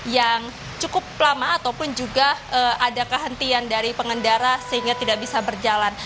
yang cukup lama ataupun juga ada kehentian dari pengendara sehingga tidak bisa berjalan